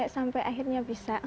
sampai akhirnya bisa